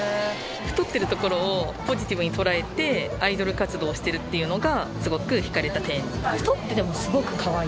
太ってるところをポジティブに捉えてアイドル活動してるっていうのがすごく引かれた点。